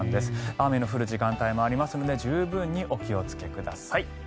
雨の降る時間帯もありますので十分にお気をつけください。